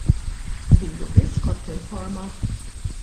Lilu biss kont tinforma?